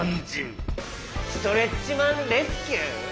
ストレッチマン☆レスキュー？